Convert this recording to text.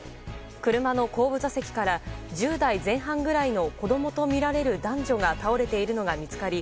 車の後部座席から１０代前半くらいの子供とみられる男女が倒れているのが見つかり